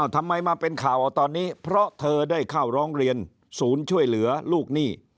ทำไมมาเป็นข่าวเอาตอนนี้เพราะเธอได้เข้าร้องเรียนศูนย์ช่วยเหลือลูกหนี้